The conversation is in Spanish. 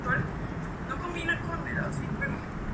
Feodora era una hermanastra de la reina Victoria.